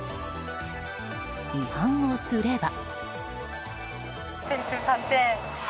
違反をすれば。